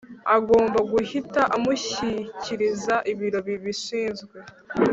agomba guhita amushyikiriza ibiro bibishinzwe